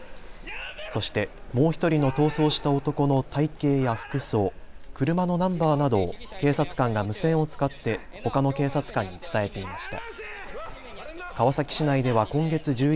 そしてもう１人の逃走した男の体型や服装、車のナンバーなどを警察官が無線を使ってほかの警察官に伝えていました。